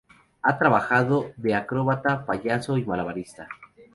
Ha trabajado de acróbata, payaso y malabarista.